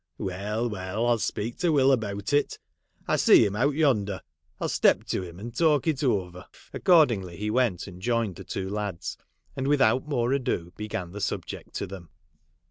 ' Well, well ; I '11 speak to Will about it. I see him out yonder. I '11 step to him, and talk it over.' Accordingly he went and joined the two lads, and without more ado, began the subject to them.